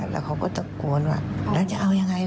แล้วเขาก็ตะโกนว่าแล้วจะเอายังไงล่ะแล้วจะเอายังไงอีก